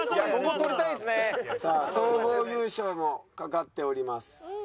さあ総合優勝も懸かっております。